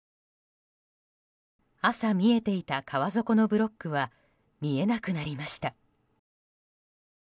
朝、見えていた川底のブロックは見えなくなりました。